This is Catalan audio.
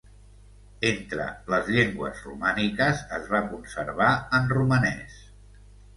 Entre les llengües romàniques es va conservar en romanès.